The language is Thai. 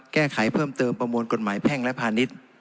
แก้ไขเพิ่มเติมประมวลกฎหมายแพ่งและพาณิชย์